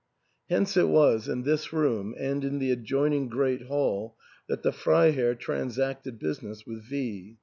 Hence it was in this room and in the adjoining great hall that the Freiherr transacted business with V